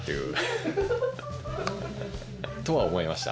フフフ。とは思いました